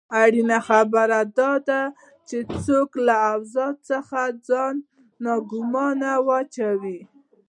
اړینه خبره داده چې څوک له اوضاع څخه ځان ناګومانه واچوي.